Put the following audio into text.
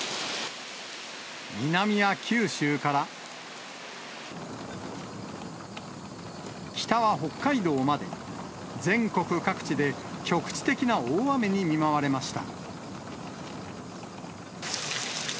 南は九州から、北は北海道まで、全国各地で局地的な大雨に見舞われました。